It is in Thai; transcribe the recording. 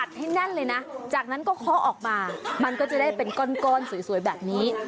ให้แน่นเลยนะจากนั้นก็เคาะออกมามันก็จะได้เป็นก้อนสวยแบบนี้